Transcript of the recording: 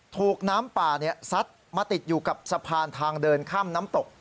ถูกน้ำป่าซัดมาติดอยู่กับสะพานทางเดินข้ามน้ำตก